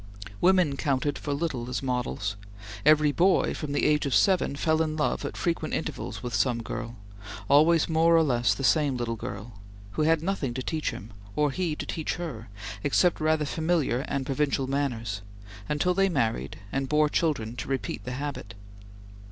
Women counted for little as models. Every boy, from the age of seven, fell in love at frequent intervals with some girl always more or less the same little girl who had nothing to teach him, or he to teach her, except rather familiar and provincial manners, until they married and bore children to repeat the habit.